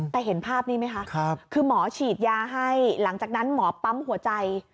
แต่เห็นภาพนี้ไหมคะคือหมอฉีดยาให้หลังจากนั้นหมอปั๊มหัวใจ